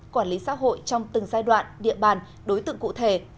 quản lý xã hội trong từng giai đoạn địa bàn đối tượng cụ thể